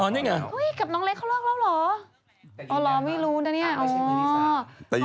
เฮ้ยกับน้องเล็กเขาเลือกแล้วเหรอ